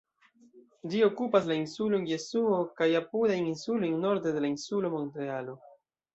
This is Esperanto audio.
Ĝi okupas la insulon Jesuo kaj apudajn insulojn, norde de la insulo Montrealo.